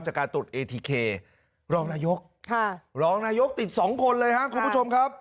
จากการตรวจเอทีเครองนายกรองนายกติดสองคนเลยครับคุณผู้ชมครับ